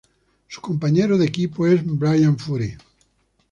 Su compañero de equipo es Bryan Fury.